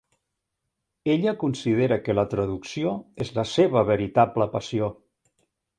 Ella considera que la traducció és la seva veritable passió.